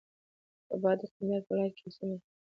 رباط د قندهار په ولایت کی یوه سیمه ده.